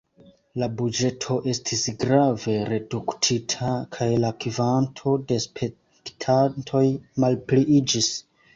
La buĝeto estis grave reduktita kaj la kvanto de spektantoj malpliiĝis.